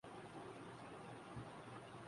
دھرنے کے بعد تو کم ہی لوگ ہیں جنہیں اس پر شک ہے۔